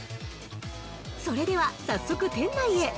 それでは早速店内へ！